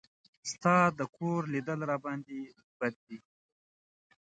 ستا د کور لیدل راباندې بد دي.